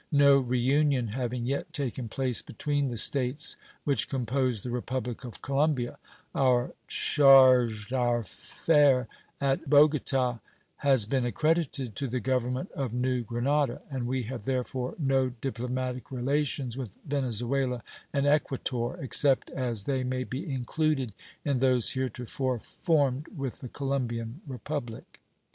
No reunion having yet taken place between the States which composed the Republic of Colombia, our charge d'affaires at Bogota has been accredited to the Government of New Grenada, and we have, therefore, no diplomatic relations with Venezuela and Equator, except as they may be included in those heretofore formed with the Colombian Republic.